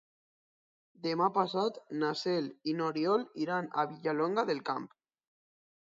Demà passat na Cel i n'Oriol iran a Vilallonga del Camp.